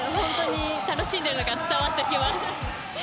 楽しんでいるのが伝わってきます。